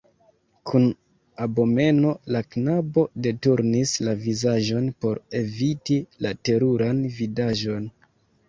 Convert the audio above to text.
Kun abomeno la knabo deturnis la vizaĝon por eviti la teruran vidaĵon.